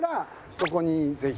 「そこにぜひ」